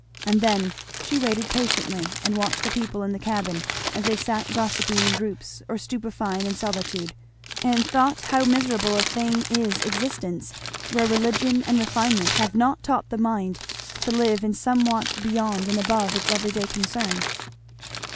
And then she waited patiently and watched the people in the cabin, as they sat gossiping in groups or stupefying in solitude; and thought how miserable a thing is existence where religion and refinement have not taught the mind to live in somewhat beyond and above its every day concern.